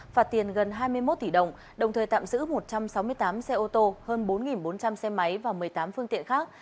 phạt tiền gần hai mươi một tỷ đồng đồng thời tạm giữ một trăm sáu mươi tám xe ô tô hơn bốn bốn trăm linh xe máy và một mươi tám phương tiện khác